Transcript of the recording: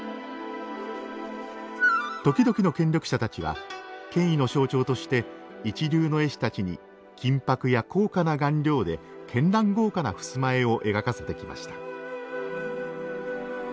時々の権力者たちは権威の象徴として一流の絵師たちに金ぱくや高価な顔料で絢爛豪華な襖絵を描かせてきました。